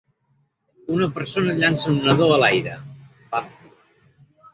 Una persona llança un nadó a l'aire.